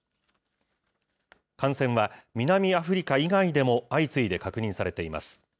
感染は南アフリカ以外でも相次いで確認されています。